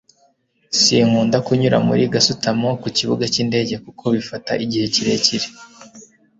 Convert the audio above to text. sinkunda kunyura kuri gasutamo kukibuga cyindege kuko bifata igihe kirekire